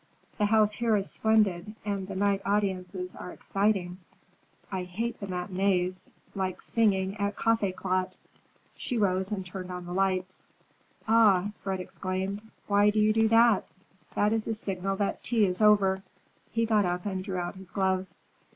The house here is splendid, and the night audiences are exciting. I hate the matinees; like singing at a Kaffeklatsch." She rose and turned on the lights. "Ah!" Fred exclaimed, "why do you do that? That is a signal that tea is over." He got up and drew out his gloves.